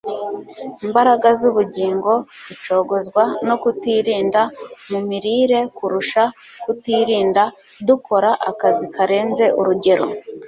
imbaraga z'ubugingo zicogozwa no kutirinda mu mirire kurusha kutirinda dukora akazi karenze urugero